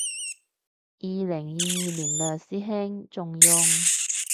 二零二二年嘞師兄，仲用